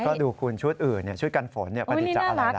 ก็ดูคุณชุดอื่นชุดกันฝนประดิษฐ์จากอะไรล่ะ